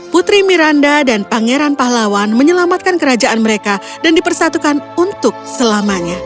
putri miranda dan pangeran pahlawan menyelamatkan kerajaan mereka dan dipersatukan untuk selamanya